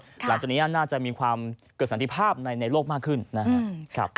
หลังจากนี้น่าจะมีความเกิดสันติภาพในโลกมากขึ้นนะครับ